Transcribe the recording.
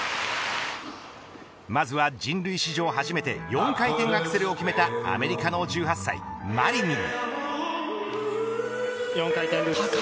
まずは人類史上初めて４回転アクセルを決めたアメリカの１８歳マリニン。